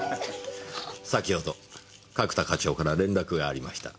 先ほど角田課長から連絡がありました。